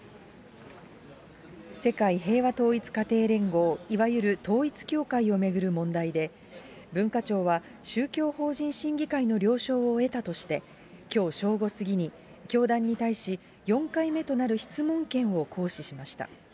世界平和統一家庭連合、いわゆる統一教会を巡る問題で、文化庁は、宗教法人審議会の了承を得たとして、きょう正午過ぎに、教団に対し、４回目となる質問権を行使しました。